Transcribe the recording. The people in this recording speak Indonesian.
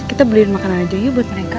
kita beliin makanan aja yuk buat mereka